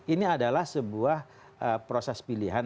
ini bukan proses pilihan